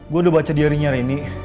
gue udah baca diarinya reni